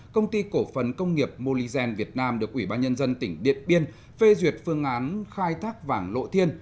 công ty cổ phần công nghiệp moligen việt nam được ủy ban nhân dân tỉnh điện biên phê duyệt phương án khai thác vàng lộ thiên